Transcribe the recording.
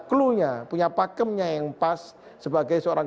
klunya punya pakemnya yang pas sebagai seorang